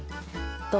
どう？